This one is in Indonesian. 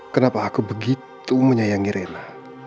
kenapa aku begitu menyayangi rena